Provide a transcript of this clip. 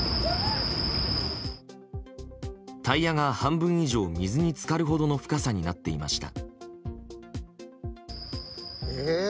タイヤが半分以上水に浸かるほどの深さになっていました。